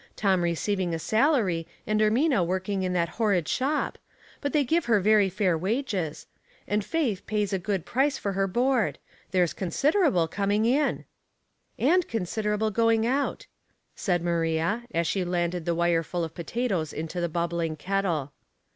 Tom receiving a ealary, and Ermina working in that horrid shop 212 Household Puzzles. — but they give her very fair wages — and Faith pays a good price for her board. There's con siderable coming in." " And considerable going out," said Maria as she landed the wire full of potatoes into the bubbling kettle.